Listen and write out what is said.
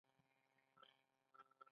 موږ باید د کلماتو په کارولو کې احتیاط وکړو.